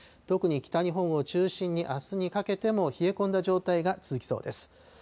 特に北日本を中心に、あすにかけても冷え込んだ状態が続きそうです。